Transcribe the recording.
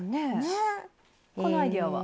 このアイデアは？